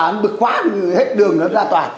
hắn bị khóa hết đường ra tòa